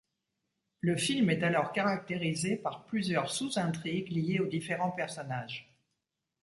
Le film est alors caractérisé par plusieurs sous-intrigues liées aux différents personnages.